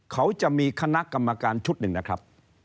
เขาจะมีคณะกรรมการชุดหนึ่งนะครับ